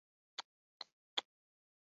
或是会在棺材中离开。